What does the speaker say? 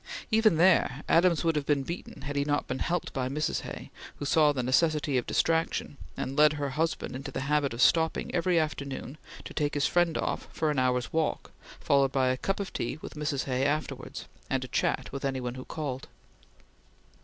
Even there, Adams would have been beaten had he not been helped by Mrs. Hay, who saw the necessity of distraction, and led her husband into the habit of stopping every afternoon to take his friend off for an hour's walk, followed by a cup of tea with Mrs. Hay afterwards, and a chat with any one who called.